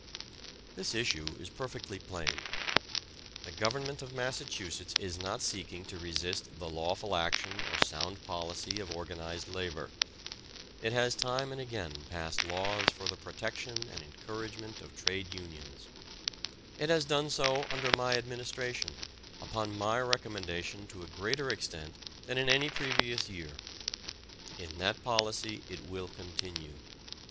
This issue is perfectly plain. The Government of Massachusetts is not seeking to resist the lawful action or sound policy of organized labor. It has time and again passed laws for the protection and encouragement of trade unions. It has done so under my administration upon my recommendation to a greater extent than in any previous year. In that policy it will continue.